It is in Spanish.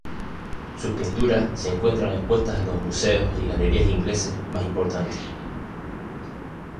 Sus pinturas se encuentran expuestas en los museos y galerías ingleses más importantes.